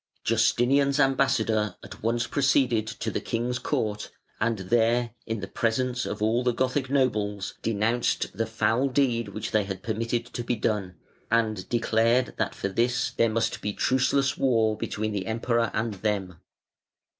Justinian's ambassador at once proceeded to the King's Court, and there, in the presence of all the Gothic nobles, denounced the foul deed which they had permitted to be done, and declared that for this there must be "truceless war" between the Emperor and them.